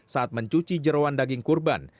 saat mencuci jeruan daging kurban